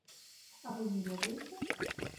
А вы не ведаеце?!